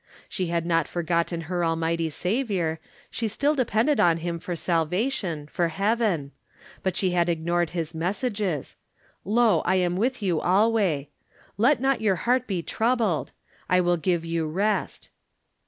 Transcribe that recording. She had not forgotten her Al mighty Saviour. She still depended on him for salvation — ^for heaven ; but she had ignored his messages :" Lo, I am with you alway," " Let not your heart be troubled," " I will give you rest."